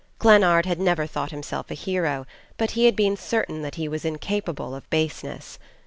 Glennard had never thought himself a hero; but he had been certain that he was incapable of baseness.